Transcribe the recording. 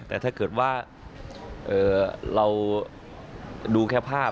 แต่ถ้าเราดูแค่ภาพ